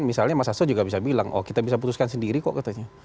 misalnya mas asto juga bisa bilang oh kita bisa putuskan sendiri kok katanya